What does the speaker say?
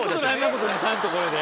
ちゃんとこれで。